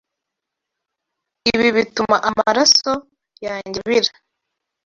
Ibi bituma amaraso yanjye abira.